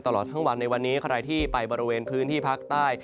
ตลอดทั้งวันในวันนี้ใครที่ไปบริเวณพื้นที่ภาคใต้